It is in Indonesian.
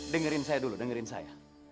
dengerin saya dulu dengerin saya